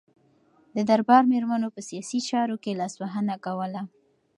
د دربار میرمنو په سیاسي چارو کې لاسوهنه کوله.